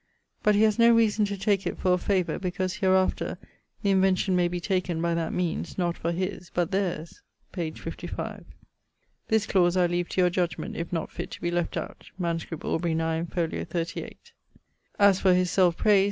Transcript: ] but he has no reason to take it for a favour, because hereafter the invention may be taken, by that means, not for his, but theirs.' p. 55. [CV.] This clause I leave to your judgment, if not fitt to be left out. MS. Aubr. 9, fol. 38ᵛ. 'As for his selfe prayse[CVI.